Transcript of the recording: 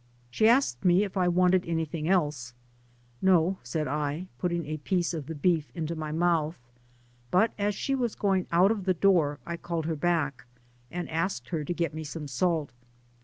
She asked me if I wanted anything else ?^^ No,'^ said I, putting a piece of the beef into my mouth ; but as she was going out of the door, I called her back, and asked her to get me some salt.